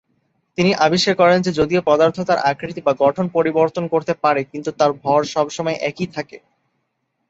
তিনি আবিষ্কার করেন যে, যদিও পদার্থ তার আকৃতি বা গঠন পরিবর্তন করতে পারে, কিন্তু তার ভর সবসময় একই থাকে।